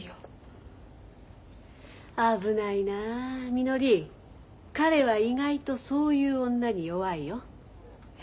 危ないなみのり彼は意外とそういう女に弱いよ。え？